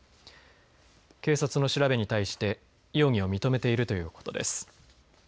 警察の調べに対して容疑を認めているということです。